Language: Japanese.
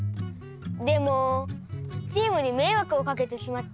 でもチームにめいわくをかけてしまって。